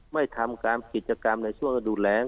ไม่ทำการกิจกรรมในช่วงฤดูแรง